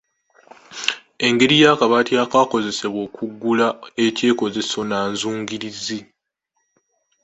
Engeri y'akabaati ak'akozesebwa okuggula ekyekozeso nnanzungirizi.